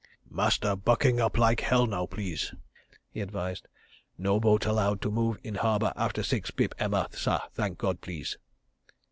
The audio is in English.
"Master bucking up like hell now, please," he advised. "No boat allowed to move in harbour after six pip emma, sah, thank God, please."